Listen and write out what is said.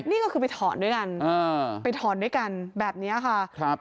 นี่ก็คือไปถอนด้วยกันไปถอนด้วยกันแบบนี้ค่ะครับ